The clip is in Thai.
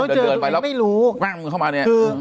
ต้องเจอกับตัวเองไม่รู้